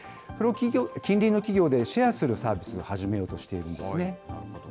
これを近隣の企業でシェアするサービスを始めようとしているんですね。